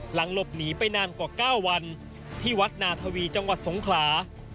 หลังหลบหนีไปนานกว่า๙วันที่วัดนาธวีจังหวัดสงขลา